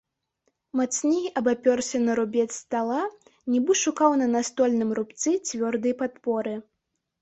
Мацней абапёрся на рубец стала, нібы шукаў на настольным рубцы цвёрдай падпоры.